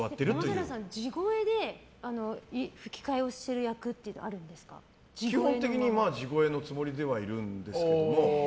山寺さん、地声で吹き替えをしている役って基本的に地声のつもりではいるんですけど。